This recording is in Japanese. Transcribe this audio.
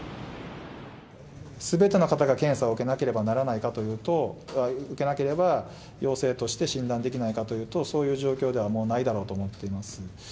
すべての方が検査を受けなければならないかというと、受けなければ陽性として診断できないかというと、そういう状況ではもうないだろうと思っています。